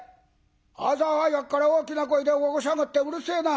朝早くから大きな声で起こしやがってうるせえな！」。